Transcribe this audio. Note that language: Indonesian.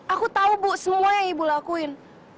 aku tahu bu semua yang ibu lakuin